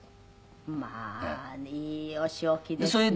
まあいいお仕置きですね。